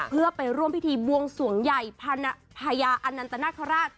เพื่อไปร่วมพิธีบวงสวงใหญ่พญาอนันตนาคาราช